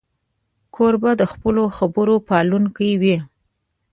کوربه د خپلو خبرو پالونکی وي.